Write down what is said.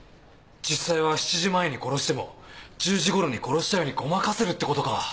実際は７時前に殺しても１０時頃に殺したようにごまかせるってことか。